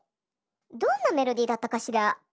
どんなメロディーだったかしら？